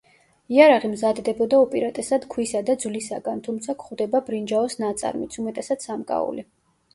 იარაღი მზადდებოდა უპირატესად ქვისა და ძვლისაგან, თუმცა გვხვდება ბრინჯაოს ნაწარმიც, უმეტესად, სამკაული.